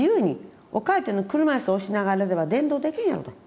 「お母ちゃんの車いす押しながらでは伝道できんやろ」と。